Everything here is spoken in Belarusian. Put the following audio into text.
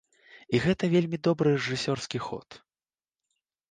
І гэта вельмі добры рэжысёрскі ход.